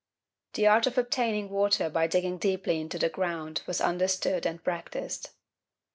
The art of obtaining water by digging deeply into the ground was understood and practised.